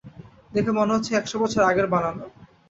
দেখে মনে হচ্ছে একশো বছর আগে বানানো।